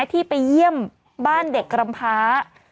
ที่ไปเยี่ยมบ้านเด็กกรำพา